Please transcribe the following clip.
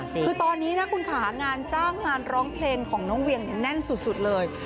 คือตอนนี้นะคุณค่ะงานจ้างงานร้องเพลงของน้องเวียงเนี่ยแน่นสุดเลย